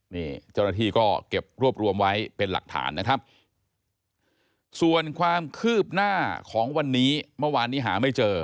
นี่เจ้าหน้าที่ก็เก็บรวบรวมไว้เป็นหลักฐานนะครับส่วนความคืบหน้าของวันนี้เมื่อวานนี้หาไม่เจอ